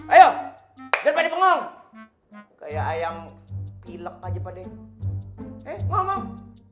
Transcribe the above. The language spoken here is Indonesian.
aja pakde kayak ayam pilek aja pakde eh ngomong